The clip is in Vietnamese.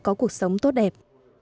có cuộc sống tốt đẹp